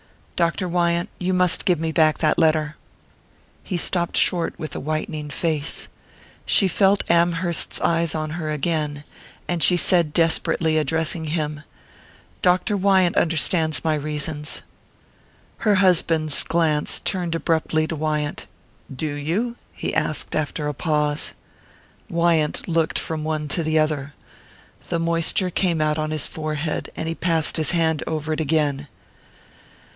"Dr. Wyant you must give back that letter." He stopped short with a whitening face. She felt Amherst's eyes on her again; and she said desperately, addressing him: "Dr. Wyant understands my reasons." Her husband's glance turned abruptly to Wyant. "Do you?" he asked after a pause. Wyant looked from one to the other. The moisture came out on his forehead, and he passed his hand over it again.